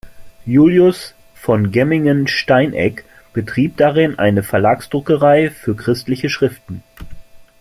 Julius von Gemmingen-Steinegg betrieb darin eine Verlagsdruckerei für christliche Schriften.